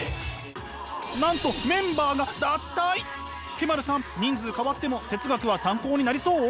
Ｋ−ｍａｒｕさん人数変わっても哲学は参考になりそう？